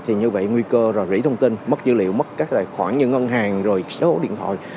thì như vậy nguy cơ rồi rỉ thông tin mất dữ liệu mất các tài khoản như ngân hàng rồi số điện thoại